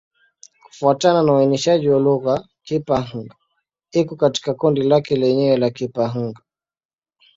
Kufuatana na uainishaji wa lugha, Kipa-Hng iko katika kundi lake lenyewe la Kipa-Hng.